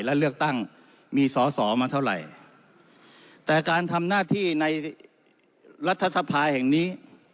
และเลือกตั้งมีสอสอมาเท่าไหร่แต่การทำหน้าที่ในรัฐสภาแห่งนี้